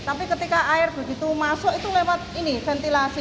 tapi ketika air begitu masuk itu lewat ini ventilasi